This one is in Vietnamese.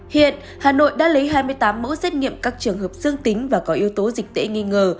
hiện hà nội đã lấy hai mươi tám mẫu xét nghiệm các trường hợp dương tính và có yếu tố dịch tễ nghi ngờ